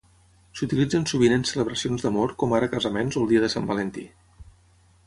S'utilitzen sovint en celebracions d'amor com ara casaments o el Dia de Sant Valentí.